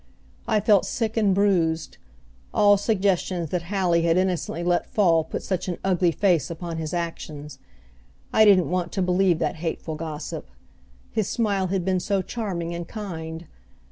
I felt sick and bruised. All suggestions that Hallie had innocently let fall put such an ugly face upon his actions. I didn't want to believe that hateful gossip. His smile had been so charming and kind.